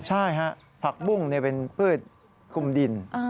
ใช่ฮะผักบุ้งเป็นพืชคุมดิน